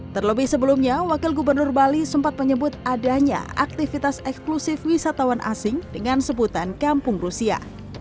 terlebih sebelumnya wakil gubernur bali sempat menyebut adanya aktivitas eksklusif wisatawan asing dengan sebutan kampung rusia